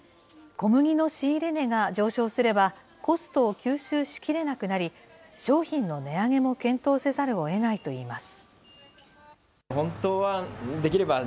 小麦の仕入れ値が上昇すれば、コストを吸収しきれなくなり、商品の値上げも検討せざるをえないといいます。